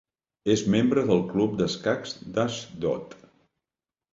És membre del club d'escacs d'Ashdod.